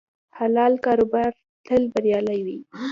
حلال کاروبار تل بریالی وي.